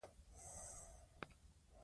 شکره کنټرول کړئ او ژوند خوندي کړئ.